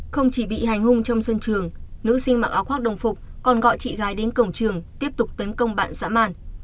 không chỉ bị hành hung trong sân trường nữ sinh mặc áo khoác đồng phục còn gọi chị gái đến cổng trường tiếp tục tấn công bạn dã màn